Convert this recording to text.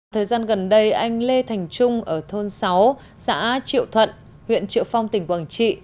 thời gian gần đây anh lê thành trung ở thôn sáu xã triệu thuận huyện triệu phong tỉnh quảng trị